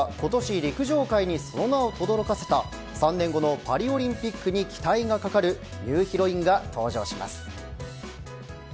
陸上界にその名をとどろかせた３年後のパリオリンピックに期待がかかるニューヒロインが登場します。